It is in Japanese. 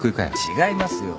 違いますよ。